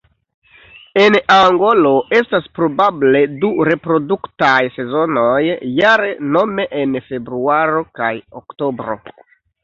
En Angolo estas probable du reproduktaj sezonoj jare nome en februaro kaj oktobro.